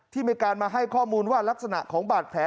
มีการมาให้ข้อมูลว่ารักษณะของบาดแผล